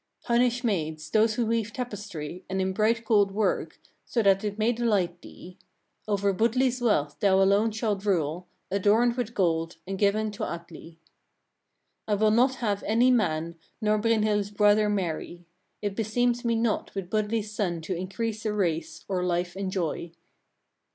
26. Hunnish maids, those who weave tapestry, and in bright gold work, so that it may delight thee. Over Budli's wealth thou alone shalt rule, adorned with gold, and given to Atli." 27. "I will not have any man, nor Brynhild's brother marry: it beseems me not with Budli's son to increase a race, or life enjoy."